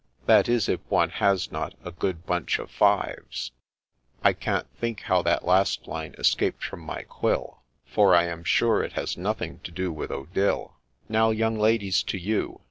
That is if one has not a ' good bunch of fives.' — (I can't think how that last line escaped from my quill, For I am sure it has nothing to do with Odille.) Now young ladies, to you